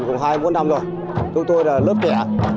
cũng hai mươi bốn năm rồi chúng tôi là lớp trẻ